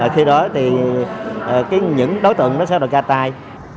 khi đó thì những đối tượng nó sẽ đòi ca tai